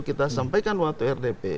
kita sampaikan waktu rdp